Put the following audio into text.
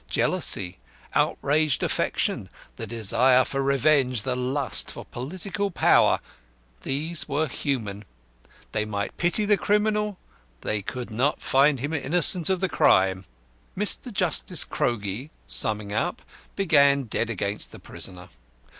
Jealousy, outraged affection, the desire for revenge, the lust for political power these were human. They might pity the criminal, they could not find him innocent of the crime. Mr. Justice CROGIE, summing up, began dead against the prisoner.